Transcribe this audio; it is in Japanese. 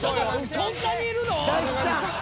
そんなにいるの？